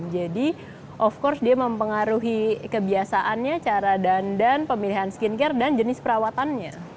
jadi of course dia mempengaruhi kebiasaannya cara dandan pemilihan skincare dan jenis perawatannya